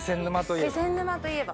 気仙沼といえば。